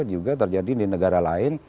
juga terjadi di negara lain